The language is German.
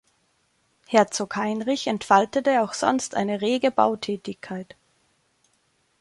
Herzog Heinrich entfaltete auch sonst eine rege Bautätigkeit.